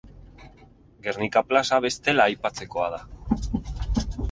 Gernika plaza bestela aipatzekoa da.